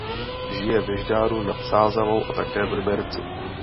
Žije ve Žďáru nad Sázavou a také v Liberci.